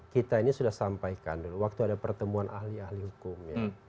kita ini sudah sampaikan dulu waktu ada pertemuan ahli ahli hukum